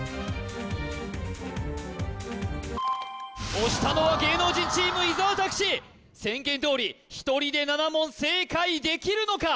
押したのは芸能人チーム伊沢拓司宣言どおり１人で７問正解できるのか？